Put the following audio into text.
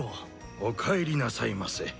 おかえりなさいませ。